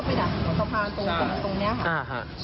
ไปดักตรงนี้